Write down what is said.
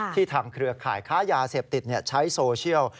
ทางเครือข่ายค้ายาเสพติดใช้โซเชียล